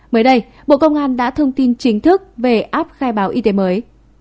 mới đây bộ công an đã thông tin chính thức về áp khai báo y tế mới